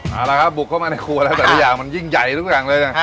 เอาละครับบุกเข้ามาในครัวแล้วแต่ละอย่างมันยิ่งใหญ่ทุกอย่างเลยนะ